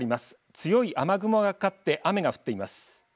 強い雨雲がかかって雨が降っています。